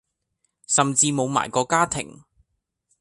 甚至無埋個家庭